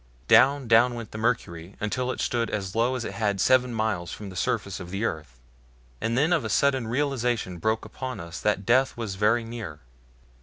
Down, down went the mercury until it stood as low as it had seven miles from the surface of the earth, and then of a sudden the realization broke upon us that death was very near.